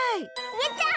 やった！